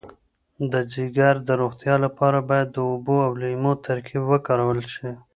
د ځیګر د روغتیا لپاره باید د اوبو او لیمو ترکیب وکارول شي.